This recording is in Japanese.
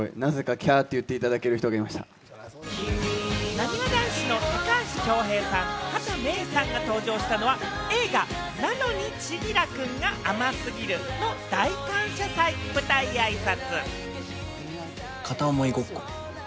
なにわ男子の高橋恭平さん、畑芽育さんが登場したのは、映画『なのに、千輝くんが甘すぎる。』の大感謝祭、舞台挨拶。